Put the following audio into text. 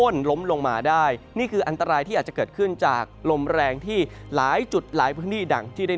้นล้มลงมาได้นี่คืออันตรายที่อาจจะเกิดขึ้นจากลมแรงที่หลายจุดหลายพื้นที่ดังที่ได้